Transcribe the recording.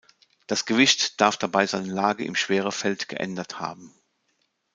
Das Gewicht darf dabei seine Lage im Schwerefeld geändert haben.